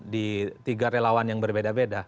di tiga relawan yang berbeda beda